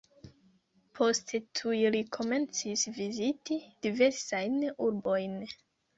Poste tuj li komencis viziti diversajn urbojn.